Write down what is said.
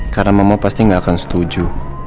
karena mama pasti ga akan setuju